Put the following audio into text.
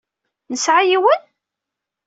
Nesɛa yiwen?